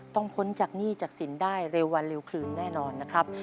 พ้นจากหนี้จากสินได้เร็ววันเร็วคืนแน่นอนนะครับ